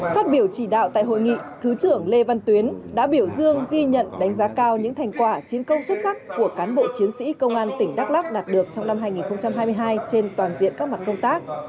phát biểu chỉ đạo tại hội nghị thứ trưởng lê văn tuyến đã biểu dương ghi nhận đánh giá cao những thành quả chiến công xuất sắc của cán bộ chiến sĩ công an tỉnh đắk lắc đạt được trong năm hai nghìn hai mươi hai trên toàn diện các mặt công tác